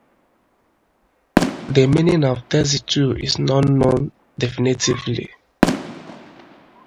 The meaning of "tersitu" is not known definitively.